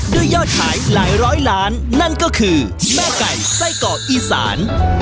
ยอดขายหลายร้อยล้านนั่นก็คือแม่ไก่ไส้กรอกอีสาน